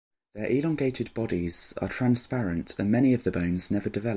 Their elongated bodies are transparent, and many of the bones never develop.